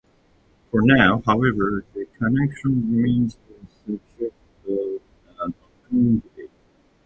For now, however, the connection remains a subject of an ongoing debate.